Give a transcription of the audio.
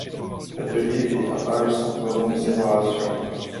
L'atelier est un hall sans cloisons de séparation.